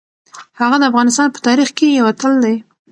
هغه د افغانستان په تاریخ کې یو اتل دی.